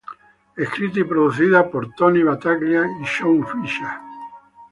Escrita y producida por "Tony Battaglia y Shaun Fisher".